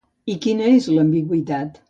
I quina és l'ambigüitat?